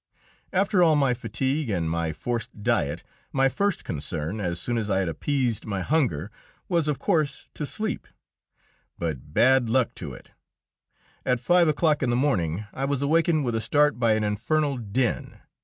After all my fatigue and my forced diet, my first concern, as soon as I had appeased my hunger, was, of course, to sleep. But, bad luck to it! at five o'clock in the morning I was awakened with a start by an infernal din.